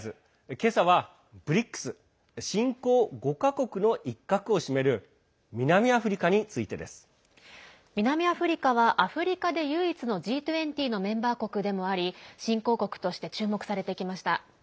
今朝はＢＲＩＣＳ＝新興５か国の一角を占める南アフリカについてです。南アフリカはアフリカで唯一のＧ２０のメンバー国でもあり新興国として注目されてきました。